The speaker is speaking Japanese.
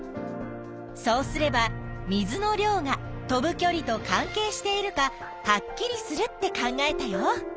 そうすれば「水の量」が飛ぶきょりと関係しているかはっきりするって考えたよ。